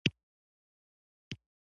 دوی په څېرو کې د کمترۍ احساس ښکاره کاوه.